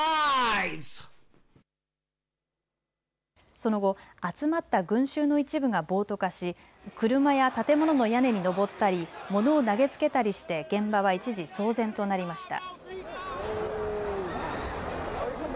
その後、集まった群集の一部が暴徒化し車や建物の屋根にのぼったり物を投げつけたりして現場は一時、騒然となりました。